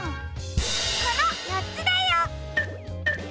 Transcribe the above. このよっつだよ！